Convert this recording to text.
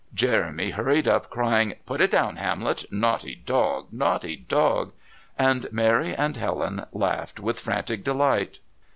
Jeremy hurried up crying: "Put it down, Hamlet, naughty dog, naughty dog," and Mary and Helen laughed with frantic delight.